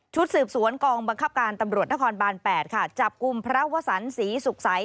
สืบสวนกองบังคับการตำรวจนครบาน๘ค่ะจับกลุ่มพระวสันศรีสุขใส